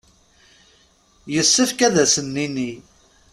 Yessefk ad sen-nini.